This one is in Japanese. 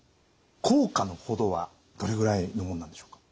効果の程はどれぐらいのもんなんでしょうか？